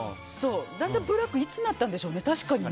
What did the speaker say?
だんだんブラックいつになったんでしょうかね。